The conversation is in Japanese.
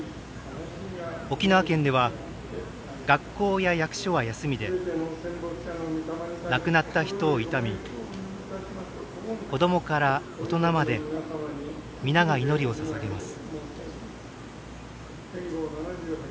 沖縄県では学校や役所は休みで亡くなった人を悼み子どもから大人まで皆が祈りを捧げます。